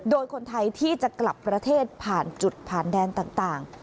โดยคนไทยที่จะกลับประเทศผ่านจุดผ่านแดนต่าง